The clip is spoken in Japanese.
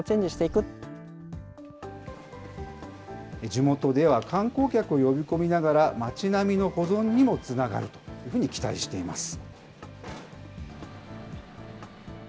地元では観光客を呼び込みながら、町並みの保存にもつながるというふうに期待しています。